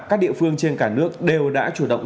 các địa phương trên cả nước đều đã chủ động